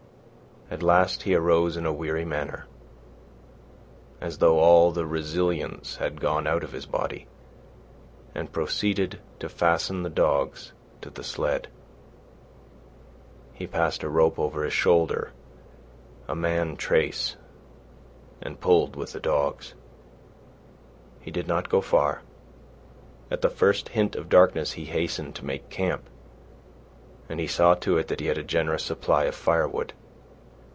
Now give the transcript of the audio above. At last he arose in a weary manner, as though all the resilience had gone out of his body, and proceeded to fasten the dogs to the sled. He passed a rope over his shoulder, a man trace, and pulled with the dogs. He did not go far. At the first hint of darkness he hastened to make a camp, and he saw to it that he had a generous supply of firewood.